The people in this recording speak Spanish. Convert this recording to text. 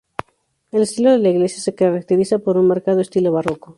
El estilo de la iglesia se caracteriza por un marcado estilo barroco.